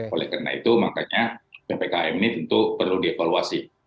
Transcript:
oleh karena itu makanya ppkm ini tentu perlu dievaluasi